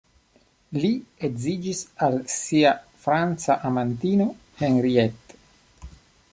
Li edziĝis al sia franca amatino Henriette.